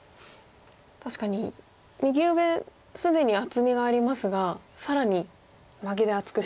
確かに右上既に厚みがありますが更にマゲで厚くして。